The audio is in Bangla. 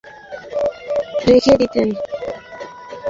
কাকিমারা আগে থেকেই জানতেন বলে আমাদের জন্য আলাদা করে নাড়ু-সন্দেশ রেখে দিতেন।